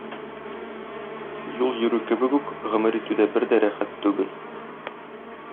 Юл йөрү кебек үк гомер итү дә бер дә рәхәт түгел.